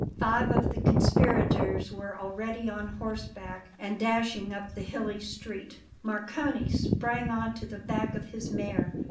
Five of the conspirators were already on horseback and dashing up the hilly street. Marcone sprang on to the back of his mare.